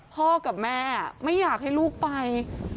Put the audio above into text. พ่อกับแม่ไม่อยากให้ลูกไป